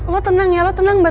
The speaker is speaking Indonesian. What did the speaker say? lo tenang ya lo tenang batu bata